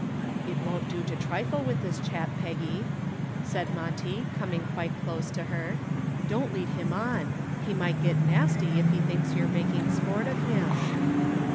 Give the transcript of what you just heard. "It won't do to trifle with this chap, Peggy," said Monty, coming quite close to her. "Don't lead him on. He might get nasty if he thinks you're making sport of him."